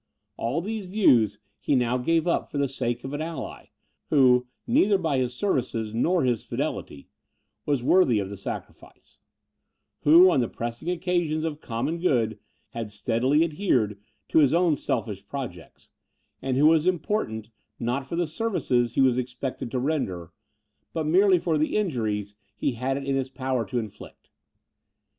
All these views he now gave up for the sake of an ally, who, neither by his services nor his fidelity, was worthy of the sacrifice; who, on the pressing occasions of common good, had steadily adhered to his own selfish projects; and who was important, not for the services he was expected to render, but merely for the injuries he had it in his power to inflict.